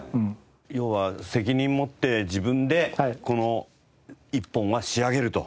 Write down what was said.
要は責任持って自分でこの１本は仕上げると。